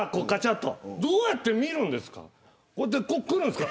どうやって見るんですか。